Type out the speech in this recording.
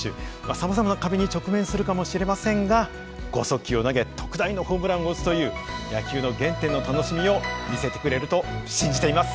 さまざまな壁に直面するかもしれませんが剛速球を投げ特大のホームランを打つという野球の原点の楽しみを見せてくれると信じています。